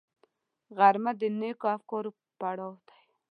غرمه د نېکو افکارو پړاو دی